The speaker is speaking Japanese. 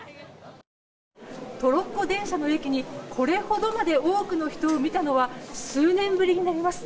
トロッコ電車の駅にこれほどまで多くの人を見たのは数年ぶりになります。